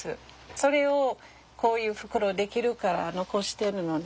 それをこういう袋出来るから残してるのね。